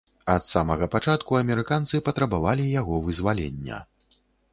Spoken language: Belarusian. Ад самага пачатку амерыканцы патрабавалі яго вызвалення.